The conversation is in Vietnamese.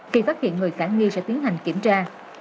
khi phát hiện người khả nghi sẽ tiến hành kiểm tra